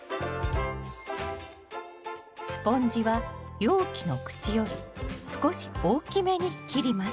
スポンジは容器の口より少し大きめに切ります